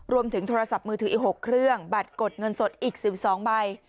รวมถึงโทรศัพท์มือถืออีก๖เครื่องบัตรกดเงินสดอีก๑๒ใบ